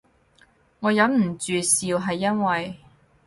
我忍唔住笑係因為